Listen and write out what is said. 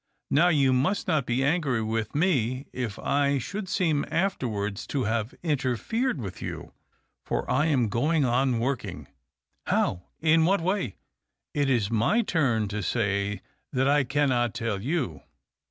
Now, you must not be angry with me if I should seem afterwards to have interfered with you, for I am going on working." "How? In what way?" " It is my turn to say that I cannot tell you."